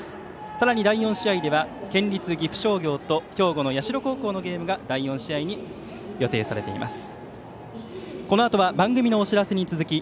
さらに第４試合では県立岐阜商業と兵庫の社高校のゲームが第４試合に予定されています。